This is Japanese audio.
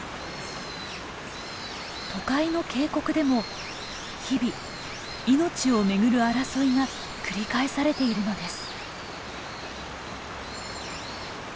都会の渓谷でも日々命をめぐる争いが繰り返されているのです。